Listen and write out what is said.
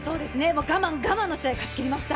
我慢、我慢の試合を勝ちきりました。